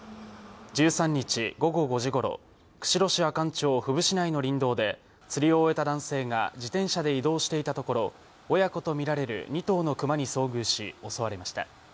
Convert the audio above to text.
１３日午後５時ごろ、釧路市阿寒町布伏内の林道で、釣りを終えた男性が自転車で移動していたところ、親子と見られる２頭のクマに遭遇し、襲われました。